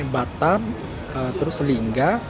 batam terus lingga